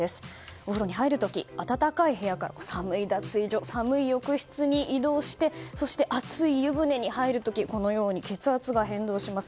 お風呂に入る時暖かい部屋から寒い脱衣所寒い浴室に移動してそして熱い湯船に入る時血圧が変動します。